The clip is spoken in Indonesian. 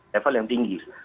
level yang tinggi